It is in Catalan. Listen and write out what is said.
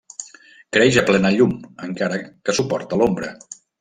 Creix a plena llum, encara que suporta l'ombra.